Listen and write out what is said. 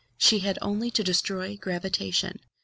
She had only to destroy gravitation."